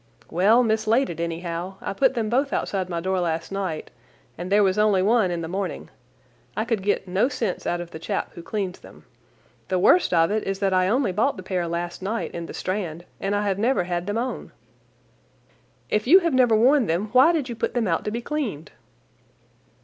"Well, mislaid it, anyhow. I put them both outside my door last night, and there was only one in the morning. I could get no sense out of the chap who cleans them. The worst of it is that I only bought the pair last night in the Strand, and I have never had them on." "If you have never worn them, why did you put them out to be cleaned?"